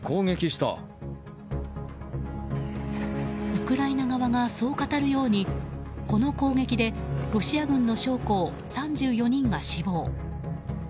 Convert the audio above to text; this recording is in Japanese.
ウクライナ側がそう語るようにこの攻撃でロシア軍の将校３４人が死亡。